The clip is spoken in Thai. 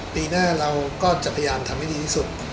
ปีหน้าเราก็จะพยายามทำให้ดีที่สุด